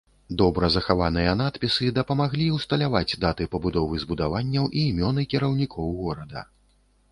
Добра захаваныя надпісы дапамаглі ўсталяваць даты пабудовы збудаванняў і імёны кіраўнікоў горада.